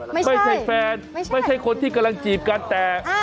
ไม่ใช่แฟนไม่ใช่คนที่กำลังจีบกันแต่